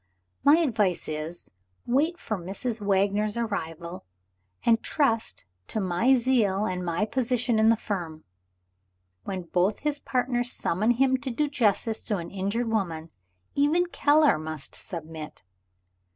My advice is, Wait for Mrs. Wagner's arrival, and trust to my zeal, and my position in the firm. When both his partners summon him to do justice to an injured woman, even Keller must submit!"